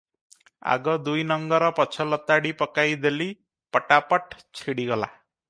ଆଗ ଦୁଇ ନଙ୍ଗର ପଛ ଲତାଡ଼ି ପକାଇ ଦେଲି, ପଟାପଟ ଛିଡ଼ିଗଲା ।